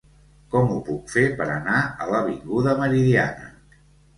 Com ho puc fer per anar a l'avinguda Meridiana?